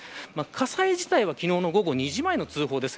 火災自体は昨日の午後２時前の通報です。